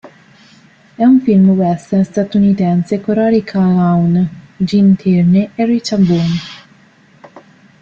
È un film western statunitense con Rory Calhoun, Gene Tierney e Richard Boone.